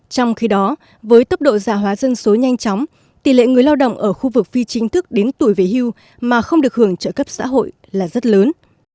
trong khi đó với tốc độ giả hóa dân số nhanh chóng tỷ lệ người lao động ở khu vực phi chính thức đến tuổi về hưu mà không được hưởng trợ cấp xã hội là rất lớn